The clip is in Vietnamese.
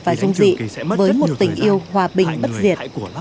và dung dị với một tình yêu hòa bình bất diệt